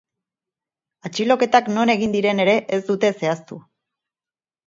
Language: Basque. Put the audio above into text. Atxiloketak non egin diren ere ez dute zehaztu.